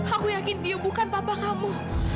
aku yakin dia bukan bapak kamu